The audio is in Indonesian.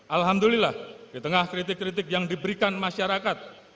alhamdulillah di tengah kritik kritik yang diberikan masyarakat